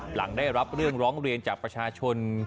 หลังได้รับเรื่องร้องเรียนจากประชาชน